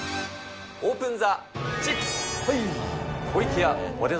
オープン・ザ・チップス。